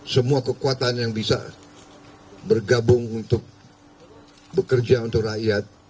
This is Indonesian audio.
semua kekuatan yang bisa bergabung untuk bekerja untuk rakyat